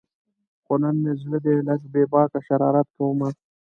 خو نن مې زړه دی لږ بې باکه شرارت کومه